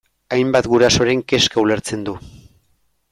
Hainbat gurasoren kezka ulertzen du.